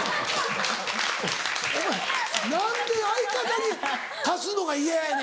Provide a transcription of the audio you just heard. お前何で相方に貸すのが嫌やねん